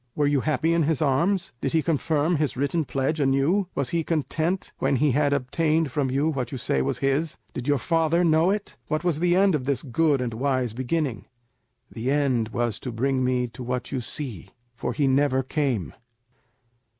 Were you happy in his arms? Did he confirm his written pledge anew? Was he content when he had obtained from you what you say was his? Did your father know it? What was the end of this good and wise beginning?" "The end was to bring me to what you see, for he never came."